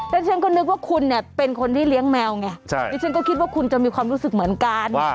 แล้วฉันก็นึกว่าคุณเนี่ยเป็นคนที่เลี้ยงแมวไงดิฉันก็คิดว่าคุณจะมีความรู้สึกเหมือนกัน